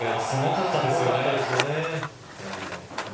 すごかったですよね。